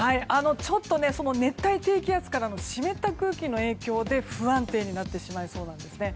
ちょっと熱帯低気圧からの湿った空気の影響で、不安定になってしまいそうなんですね。